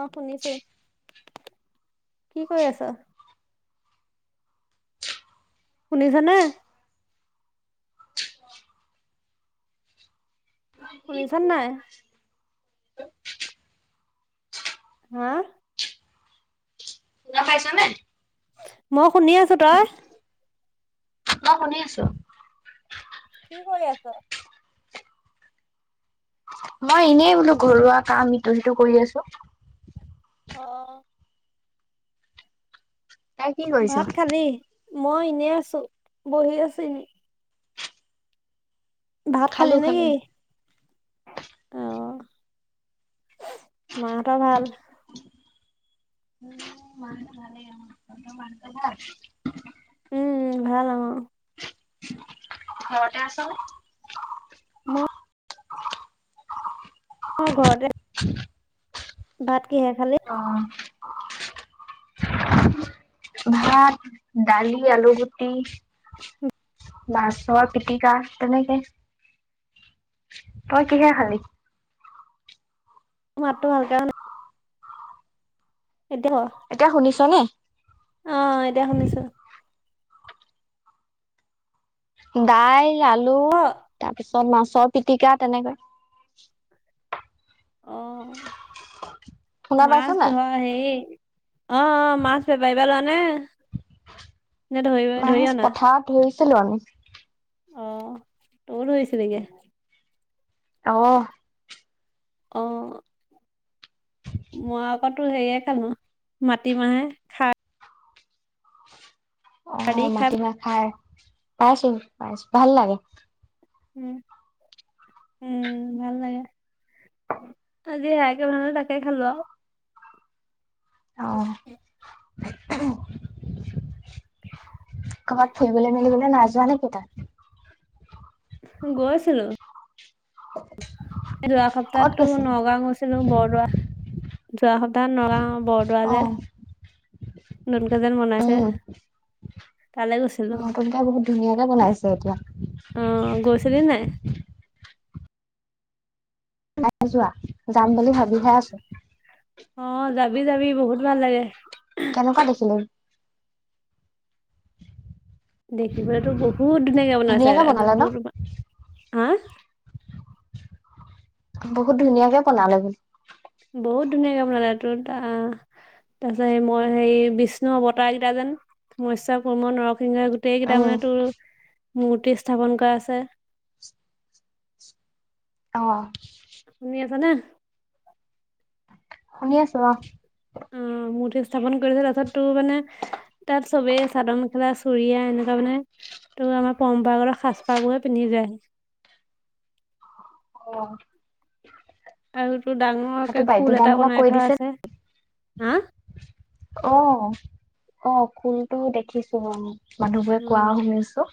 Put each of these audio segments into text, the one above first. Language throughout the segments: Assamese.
অ শুনিছো। কি কৈ আছ? শুনিছা নে? শুনিছা নে নাই? হা [unintelligible] খাইছ নে মই শুনি আছো, তই? মই, শুনি আছো। কি কৰি আছ? মই এনেই বোলো ঘৰুৱা কাম ইটো, সিটো কৰি আছোঁ। অ' ভাত খালি? মই ইনে আছোঁ, বহি আছোঁ এনে। ভাত খালি নেকি? অ', মাহঁতৰ ভাল? [unintelligible] উম উম ভাল অ'। ঘৰতে আছনে? মই অ', ঘৰতে ভাত কিহে খালি? ভাত দালি, আলুগুটি। মাছৰ পিটিকা তেনেকে। তই কিহে খালি? মাতটো ভালকে অহা নাই এতিয়া এতিয়া শুনিছনে? ক অ এতিয়া শুনিছো দাইল আলু ক তাৰপিছত মাছৰ পিটিকা তেনেকৈ অ', শুনা পাইছ মাছ নাই? ধৰ হেই অ অ মাছ বেপাৰি পা লোৱা নে ন ধৰিব ধৰি মাছ অনা? পথাৰত [unintelligible] অ', তোৰো ধৰি [unintelligible] অ অ'। মই আকৌ তো হেৰিয়ে খালো মাটিমাহে খাৰ দি অ', খাই মাটিমাহ খাৰ পাইছোঁ, পাইছোঁ ভাল লাগে। উম, উম, ভাল লাগে। আজি সেয়াকে বনালোঁ, তাকে খালোঁ আৰু। অ'। [unintelligible] ক'ৰবাত ফুৰিবলে, মেলিবলে নাই যোৱা নেকি তই? গৈছিলোঁ। যোৱা ক'ত সপ্তাহতো গৈছিলি? নগাঁও গৈছিলো বৰদোৱা যোৱা সপ্তাহত নগাঁও বৰদোৱালে। অ' নতুনকে যেন বনাইছে। উম, তালৈ গৈছিলো নতুনকে বহুত ধুনীয়াকে বনাইছে এতিয়া। অ গৈছিলি নাই? নাই যোৱা যাম বুলি ভাবিহে আছো অ', যাবি, যাবি বহুত ভাল লাগে। কেনেকুৱা দেখিলি? দেখিবলেতো বহুত ধুনীয়াকে বনাইছে, তাৰপিছত তোৰ-তোমাৰ হা বহুত ধুনীয়াকে বনালে বো বহুত ধুনীয়াকে বনালে তোৰ-তা তাৰ পিছত মই হেৰি বিষ্ণু অৱতাৰ কেইটা যেন মস্য কুৰ্ম নৰ [unintelligible] গোটেইকিটা উম মানে তোৰ মূৰ্তি স্থাপন কৰা আছে। অ'। শুনি আছানে? শুনি আছো অ'। [unintelligible] মূৰ্তি স্থাপন [unintelligible] তাৰপিছত তোৰ মানে, তাত চবেই চাদৰ মেখেলা, চুুৰিয়া এনেকুৱা মানে তোৰ আমাৰ পৰম্পৰাগত সাজ-পাৰ বোৰে পিন্ধি যায়। অ'। আৰু তোৰ ডাঙৰকে খোল এটা বাধ্যতামূলক বনাই কৰি থোৱা দিছে আছে হা অ' অ' খোলটো দেখিছো মই মানুহবোৰে উম কোৱা শুনিছো।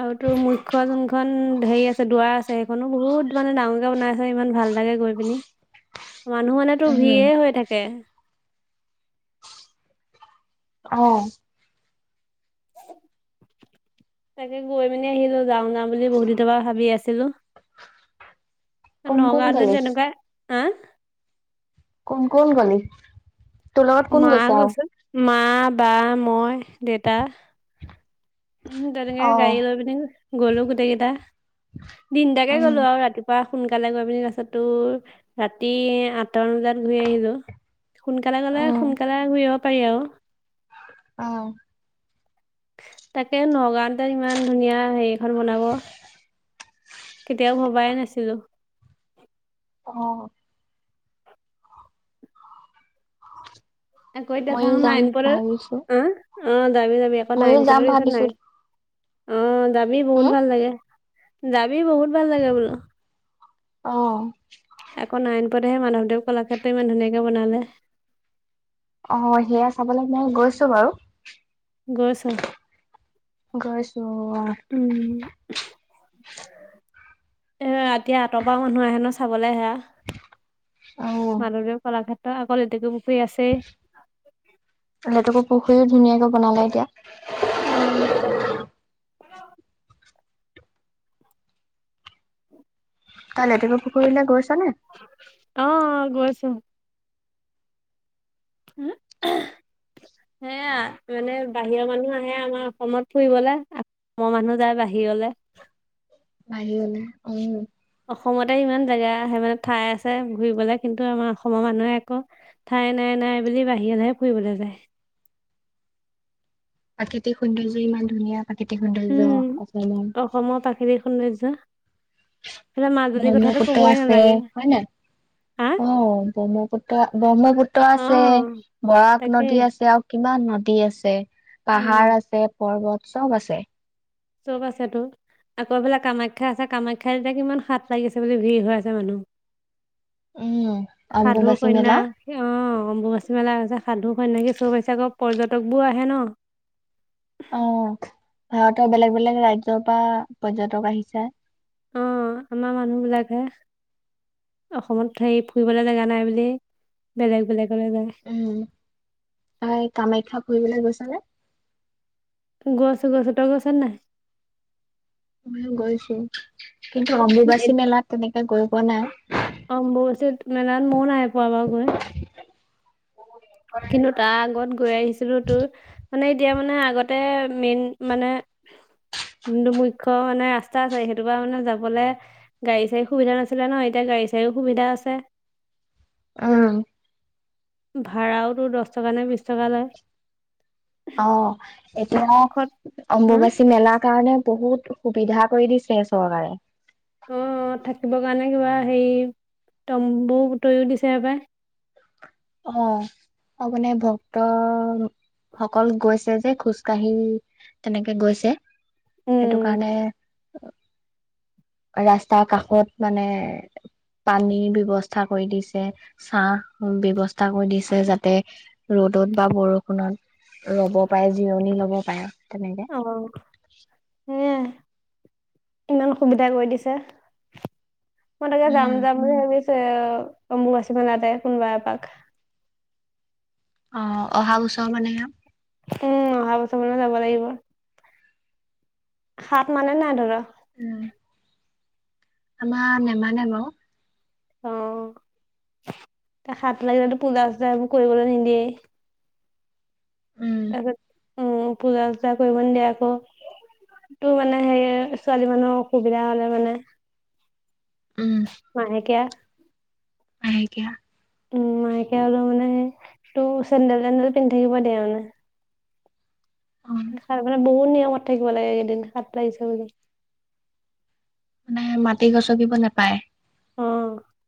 আৰু তো মুখ্য যোনখন হেৰি আছে দোৱা আছ ছে সেইখনো বহুত মানে ডাঙৰকে বনাইছে ইমান ভাল লাগে গৈ পিনি মানুহ মনেতো উম ভিৰে হৈ থাকে। অ, [inaudible] তাকে গৈ মেলি আহিলো যাওঁ যাওঁ বুলি বহুত দিনৰ পৰা ভাবি আছিলো। কোন কোন নগাঁও গলি তেনকাই, কোন কোন গলি তোৰ লগত কোন মা গৈছো আৰু গৈছে মা বা মই দেউতা। উ তেনেকে অ গাড়ী লৈ পিনি গ'লো গোটেই কেইটা। তিনটাকে উম গ'লো আৰু ৰাতিপুৱা সোনকালে গৈ পিনি তাৰপছত তোৰ ৰাতি আঠ, হাতৰ বজাত ঘূৰি আহিলো সোনকালে গলে সোনকালে ঘূৰি আহিব পাৰি আৰু আহ, তাকে নগাঁওতে ইমান ধুনীয়া হেৰিখন বনাব। কেতিয়াও ভবাই নাছিলো। অ, হয়। [unintelligible] অ', যাবি যাবি আকৌ ময়ো যাম নাইনপোৰত পিছত ভাবিছো নাই অ', যাবি হম বহুত ভাল লাগে। যাবি বহুত ভাল লাগে বোলো। অ', আকৌ নাৰায়নপুৰতহে মাধৱদেৱ কলাক্ষেত্ৰ ইমান ধুনীয়াকে বনালে। অ', সেয়া চাবলৈ মই গৈছো বাৰু। গৈছ গৈছো অ', এহ ৰাতিৰ আঁতৰ পৰা মানুহ আহে ন চাবলৈ আহে অ মাধৱদেৱ কলাক্ষেত্ৰ আকৌ লেটেকো পুখুৰী আছেই। লেটেকু পুখুৰীও ধুনীয়াকে বনালে এতিয়া। অ', তই লেটেকু পুখুৰীলৈ গৈছনে? অ গৈছো [inaudible] সেয়া মানে বাহিৰৰ মানুহ আহে আমাৰ অসমত ফুৰিবলৈ অসমৰ মানুহ যায় বাহিৰলৈ [inaudible] বাহিৰলৈ অ', অসমতে ইমান জেগা আহে মানে ঠাই আছে ঘুৰিবলে কিন্তু আমাৰ অসমৰ মানুহে একো ঠাই নাই নাই বুলি বাহিৰলৈহে ফুৰিবলৈ যায়। প্ৰাকৃতিক সৌন্দৰ্য ইমান ধুনীয়া প্ৰাকৃতিক সৌন্দৰ্য্য উম অসমৰ। অসমৰ প্ৰাকৃতিক সৌন্দৰ্য এইফালে মাজুলীৰ কথাটো ব্ৰহ্মপুত্ৰই কবই আছে নালাগে হয় নাই, হা অ', ব্ৰহ্ম পুত্ৰ ব্ৰহ্মপুত্ৰ আছে, অ', বৰাক তাকেই নদী আছে আৰু কিমান নদী আছে। উম, পাহাৰ আছে পৰ্বত চব আছে। চব আছেটো। আকৌ এইফালে কামাখ্যা আছে কামাখ্যা এতিয়া কিমান হাত লাগিছে বুলি ভিৰ হৈ আছে মানুহ। উম সাধু অম্বুবাচী মেলা সন্যাস অ', অম্বুবাচী মেলা আছে সাধু সন্ন্যাসী চব আহিছে আকৌ পৰ্যটকবোৰ আহে ন অ', ভাৰতৰ বেলেগ বেলেগ ৰাজ্যৰ পৰা পৰ্যটক আহিছে। অ', আমাৰ মানুহ বিলাকহে অসমত সেই ফুৰিবলৈ জেগা নাই বুলি বেলেগ বেলেগ উম [unintelligible] কামাখ্যা ফুৰিবলৈ গৈছানে? গৈছোঁ গৈছোঁ তই গৈছ নাই? ময়ো গৈছো কিন্তু অম্বুবাচী মেলাত তেনেকে গৈ পোৱা নাই। অম্বুবাচী মেলাত ময়ো নাই পোৱা বাৰু গৈ। কিন্তু তাৰ আগত গৈ আহিছিলো তোৰ মানে এতিয়া মানে আগতে মেইন মানে যোনটো মুখ্য মানে ৰাস্তা আছে সেইটো পা মানে যাবলৈ গাড়ী চাড়ী সুবিধা নাছিলে ন এতিয়া গা গাড়ী চাড়ী সুবিধা আছে। অ', ভাড়াওতো দহ টকা নে বিশ টকা লয়। অ', এতিয়া খত উম অম্বুবাচী মেলাৰ কাৰণে বহুত সুবিধা কৰি দিছে চৰকাৰে অ', থাকিবৰ কাৰণে কিবা হেৰি তম্বু তৰিও দিছে পায় অ', তাৰ মানে ভক্ত সকল গৈছে যে খোজকাঢ়ি তেনেকে গৈছে অ সেইটো কাৰণে ৰাস্তাৰ কাষত মানে পানীৰ ব্যৱস্থা কৰি দিছে চাহ ব্যৱস্থা কৰি দিছে যাতে ৰ'দত বা বৰষুণত ৰব পাৰে জিৰণি ল'ব পাৰে তেনেকে। সেয়াই ইমান সুবিধা কৰি দিছে মই তাকে উম, যাম যাম বুলি ভাবিছোঁ। অম্বুবাচী মেলাতে কোনোবা এপাক অ', অহা বছৰ মানেহে উম অহা বছৰ মানে যাব লাগিব। সাথ মানে নাই তহঁতৰ। উম। আমাৰ নেমানে বাৰু অ', ত সাথ লাগিলে পূজা চূজা এইবোৰ কৰিবলৈ নিদিয়ে। উম, তাৰপিছত উম পূজা চূজা কৰিব নিদিয়ে আকৌ। টো মানে সেই ছোৱালী মানুহৰ অসুবিধা হ'লে মানে উম, মাহেকীয়া মাহেকীয়া উ মাহেকীয়া হ'লে মানে সেই তোৰ চেণ্ডেল তেণ্ডেল পিন্ধি থাকিব দিয়ে মানে। অ'। মানে বহুত নিয়মত থাকিব লাগে কেইদিন সাথ লাগিছে বুলি। মানে মাটি গছকিব নাপায়,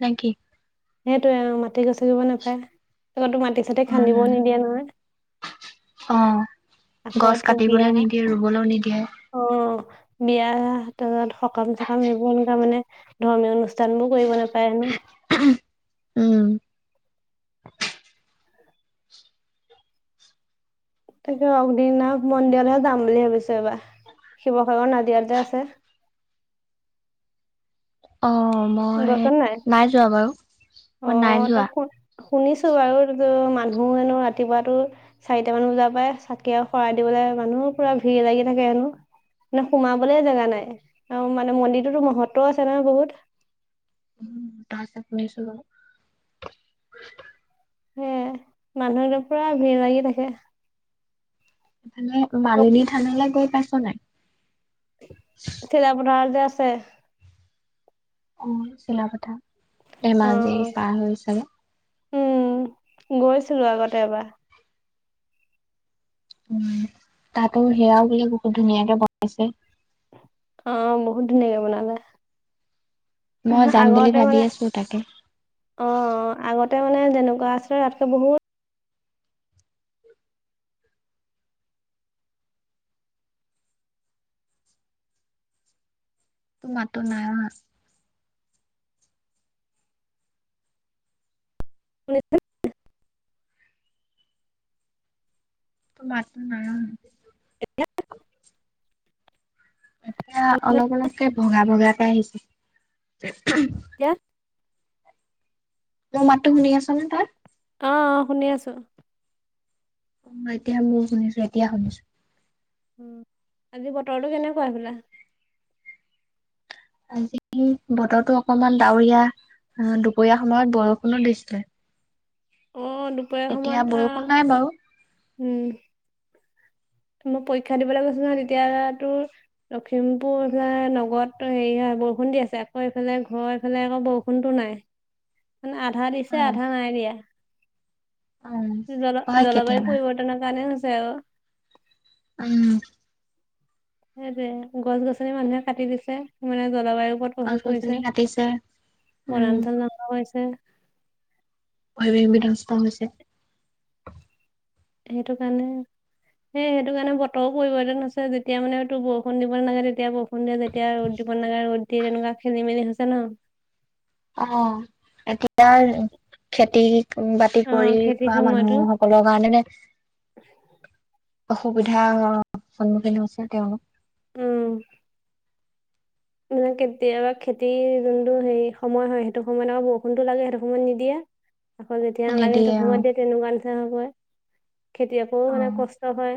নে কি? সেইটোৱে। মাটি গছকিব নাপায় আকৌ তোৰ মাটি চাটি উম। খান্দিবও নিদিয়ে নহয়। অ', আকৌ গছ তোৰ বিয়া কাটিবলৈ নিদিয়ে ৰুবলৈও নিদিয়ে। অ'। বিয়া তাৰপিছত সকাম চকাম সেইবোৰ এনেকা মানে ধৰ্মীয় অনুষ্ঠান বোৰ কৰিব নাপায় হেনো। উম। তাকে অগ্নিনাভ মন্দিৰলৈহে যাম বুলি ভাবিছো এইবাৰ। শিৱসাগৰ নাজিৰাত যে আছে। অ', মই নাই যোৱা বাৰু। অ', মই নাই যোৱা। [unintelligible] শুনিছোঁ বাৰু মানুহ হেনো ৰাতিপুৱাতো চাৰিটামান বজাৰ পৰা চাকি আৰু শৰাই দিব লে মানুহো পুৰা ভিৰ লাগি থাকে হেনো। মানে সোমাবলে জেগা নাই আৰু মানে মন্দিৰটোতো মহত্ব আছে নহয় বহুত। উ [unintelligible] হে মানুহ একদম পুৰা ভিৰ লাগি থাকে। মানে মালিনী থানলৈ গৈ পাইছ নাই? চিলা পথাৰত যে আছে? অ', চিলাপথাৰ, অ ধেমাজিৰ পাৰ হৈ চাগে। উম গৈছিলো আগতে এবাৰ। উম তাতো সেয়াও বোলে বহুত ধুনীয়াকে বনাইছে। অ', বহুত ধুনীয়াকে বনালে। মই যাম বুলি আগতে ভাবি মানে আছো তাকে। অ', আগতে মানে যেনেকুৱা আছিল তাতকে বহুত তোৰ মাতটো নাই অহা। উনশ [unintelligible] তোৰ মাতটো নাই অহা। এতিয়া অলপ অলপকে ভগা ভগাকে আহিছো। এতিয়া? মোৰ মতটো শুনি আছনে তই? অ', অ', শুনি আছো। অ', এতিয়াহে মোইয়ো শুনিছো এতিয়া শুনিছো। আজি বতৰটো কেনেকুৱা সেইফালে? আজি বতৰটো অকমান ডাৱৰীয়া। অ', দুপৰীয়া সময়ত বৰষুণো দিছিলে। অ', দুপৰীয়া এতিয়া সময়ত বৰষুণ অ', নাই বাৰু উম। মই পৰীক্ষা দিবলৈ গৈছো নহয় তেতিয়া তোৰ লখিমপুৰ সেইফালে নগৰতটো হেৰি হৈ বৰষুণ দি আছে আকৌ এইফালে ঘৰ এইফালে আকৌ বৰষুণতো নাই। আধা দিছে অ', আধা নাই দিয়া। অ', জল হয় জলবায়ু কেতিয়াবা পৰিৰ্বতনৰ কাৰণে হৈছে আকৌ। উম। সেইটোৱে গছ গছনি মানুহে কাটি দিছে মানে জলবায়ুৰ ওপৰত গছ প্ৰভাৱ গছনি পৰিছে কাটিছে উম, বনাঞ্চল ধ্বংস কৰিছে। পৰিৱেশ বিনস্থ হৈছে। সেইটো কাৰণে সেই সেইটো কাৰণে বতৰো পৰিৱৰ্তন হৈছে। যেতিয়া মানে তোৰ বৰষুণ দিব নালাগে তেতিয়া বৰষুণ দিয়ে যেতিয়া ৰ'দ বন নাগা ৰ'দ দিয়ে, তেনেকোৱা খেলি মেলি হৈছে ন। অ এতিয়াৰ খেতি বাতি কৰি অ', খেতিৰ খোৱা সময়তো মানুহসকলৰ কাৰণে অসুবিধা স সন্মুখীন হৈছে তেওঁলোক। উহ। মানে কেতিয়াবা খেতিৰ যোনটো হেৰি সময় হয়, সেইটো সময়ত আকৌ বৰষুণতো লাগে সেইটো সময়ত নিদিয়ে। [inaudible] আকৌ যেতিয়া নালাগে নিদিয়ে সেইটো অ', সময়ত দিয়ে তেনেকুৱা নিচিনা হৈ পয় খেতিয়কৰো মানে অ', কষ্ট হয়।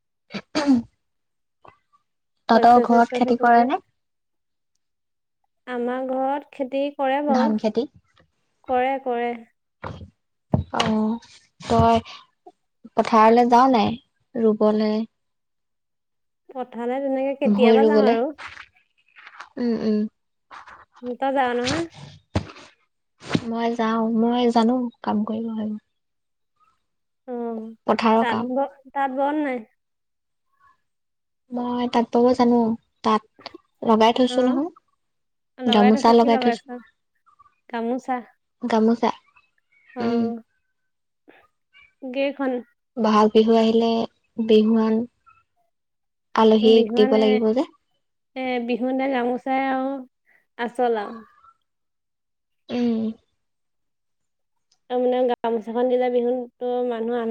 [unintelligible] শস্য তহঁতৰ ঘৰত চস্য খেতি কৰে সিচিবলে। নে আমাৰ ঘৰত খেতি কৰে বাও ধান খেতি কৰে কৰে। অ তই পথাৰলে যা নাই ৰুবলে? পথাৰলে তেনেকে ভূই কেতিয়াবা যাওঁ ৰুবলে আৰু। উম উম। মিতা যা নহয়? মই যাওঁ মই জানো কাম কৰিব সেইবোৰ। অ পথাৰৰ তাত কাম ব তাত ব নাই? মই তাঁত ব'ব জানো। তাঁত লগাই অ থৈছো নহয়। থৈছ গামোচা কি লগাই থৈছো। লগাইছ গামোচা গামোচা। উম। গেখন? বহাগ বিহু আহিলে বিহুৱান আলহীক দিব বিহুৱানে লাগিব যে এ বিহু দিনা যাম কৈছোঁ তাই আৰু আচল আৰু। উম। তাৰ মানে গামোচাখন দি যাবিচো তই মানুহ আন